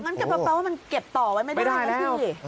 มันก็เปิดแป๊บว่ามันเก็บต่อไม่ได้เป็นจื่อ